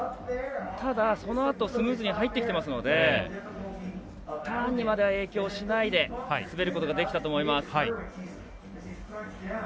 ただ、そのあとスムーズに入ってきていますのでターンにまでは影響しないで滑ることができたと思います。